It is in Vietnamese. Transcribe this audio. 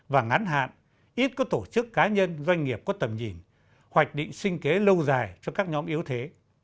và ngắn hạn ít có tổ chức cá nhân doanh nghiệp có tầm nhìn hoạch định sinh kế lâu dài cho các nhóm yếu thế